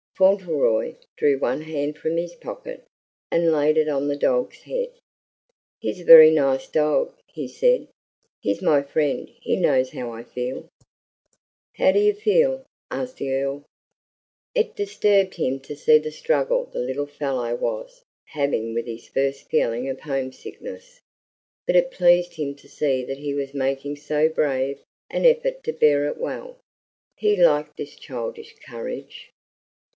Fauntleroy drew one hand from his pocket and laid it on the dog's head. "He's a very nice dog," he said. "He's my friend. He knows how I feel." "How do you feel?" asked the Earl. It disturbed him to see the struggle the little fellow was having with his first feeling of homesickness, but it pleased him to see that he was making so brave an effort to bear it well. He liked this childish courage.